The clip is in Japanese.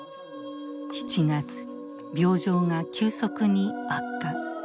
７月病状が急速に悪化。